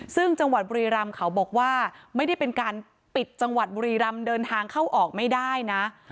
ซึ่งจังหวัดบุรีรำเขาบอกว่าไม่ได้เป็นการปิดจังหวัดบุรีรำเดินทางเข้าออกไม่ได้นะ